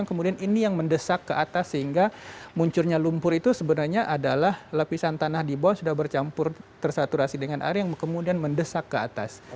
kemudian ini yang mendesak ke atas sehingga munculnya lumpur itu sebenarnya adalah lapisan tanah di bawah sudah bercampur tersaturasi dengan air yang kemudian mendesak ke atas